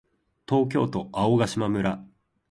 東京都青ヶ島村